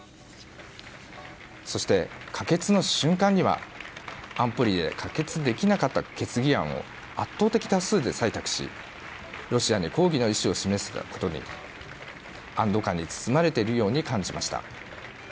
そして、可決の瞬間には安保理で可決できなかった決議案を圧倒的多数で採択し、ロシアに抗議の意思を示せたことに安堵感に包まれているように感じました。